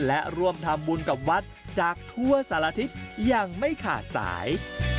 และร่วมทำบุญกับวัดจากทั่วสารทิศอย่างไม่ขาดสาย